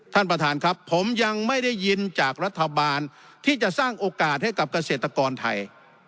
ท่านประธานครับผมยังไม่ได้ยินจากรัฐบาลที่จะสร้างโอกาสให้กับเกษตรกรไทย